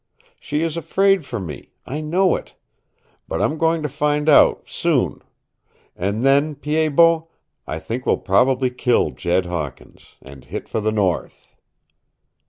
She is afraid for me. I know it. But I'm going to find out soon. And then, Pied Bot, I think we'll probably kill Jed Hawkins, and hit for the North."